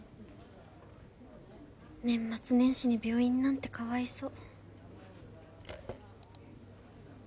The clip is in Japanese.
年末年始に病院なんてかわいそう。